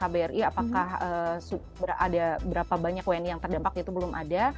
apakah ada berapa banyak wni yang terdampak itu belum ada